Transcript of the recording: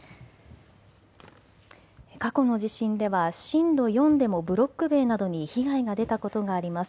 過去の地震では震度４でもブロック塀などに被害が出たことがあります。